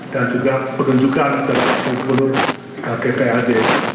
dan juga penunjukan kepada saudara gubernur gkad